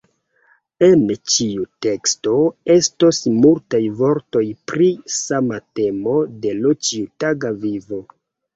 En ĉiu teksto estos multaj vortoj pri sama temo de l' ĉiutaga vivo.